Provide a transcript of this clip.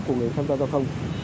của người tham gia giao thông